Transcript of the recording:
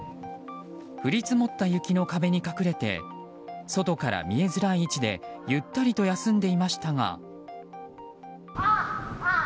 降り積もった雪の壁に隠れて外から見えづらい位置でゆったりと休んでいましたが。